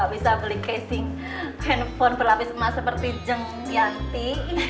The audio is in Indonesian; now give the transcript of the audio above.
bisa beli casing handphone berlapis emas seperti jeng yanti